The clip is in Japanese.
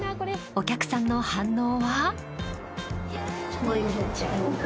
お客さんの反応は？